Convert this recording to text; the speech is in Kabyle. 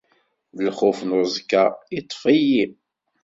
Lxuf n uẓekka iṭṭef-iyi.